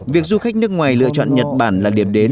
việc du khách nước ngoài lựa chọn nhật bản là điểm đến